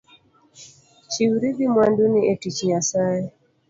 Chiwri gi mwanduni e tich Nyasaye